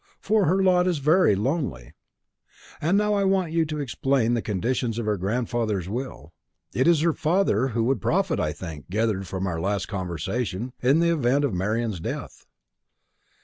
for her lot is very lonely. And now I want you to explain the conditions of her grandfather's will. It is her father who would profit, I think I gathered from our last conversation, in the event of Marian's death."